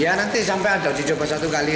ya nanti sampai ada uji coba satu kali